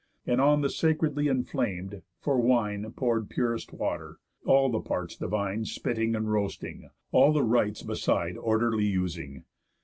And on the sacredly enflam'd, for wine, Pour'd purest water, all the parts divine Spitting and roasting; all the rites beside Orderly using.